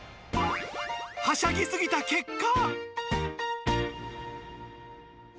はしゃぎ過ぎた結果。